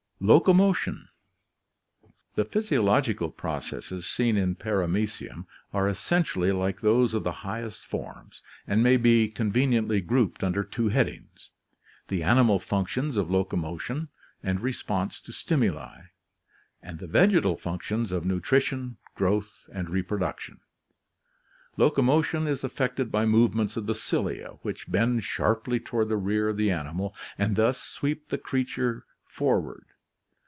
Locomotion. — The physiological processes seen in Paramecium are essentially like those of the highest forms and may be conven iently grouped under two headings, the animal functions of locomo tion and response to stimuli, and the vegetal functions of nutrition, growth, and reproduction. Locomotion is effected by movements of the cilia which bend sharply toward the rear of the animal, and thus sweep the creature forward.